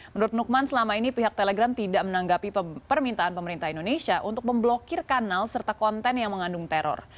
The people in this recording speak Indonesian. menurut nukman selama ini pihak telegram tidak menanggapi permintaan pemerintah indonesia untuk memblokir kanal serta konten yang mengandung teror